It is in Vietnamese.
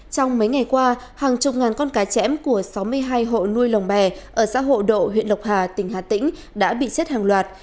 trong mấy ngày qua hàng chục ngàn con cá chẽm của sáu mươi hai hộ nuôi lồng bè ở xã hộ độ huyện lộc hà tỉnh hà tĩnh đã bị chết hàng loạt